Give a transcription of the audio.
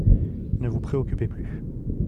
Ne vous préoccupez plus.